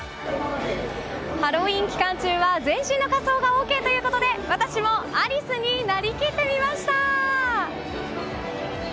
ハロウィーン期間中は全身の仮装がＯＫということで私もアリスになりきってみました！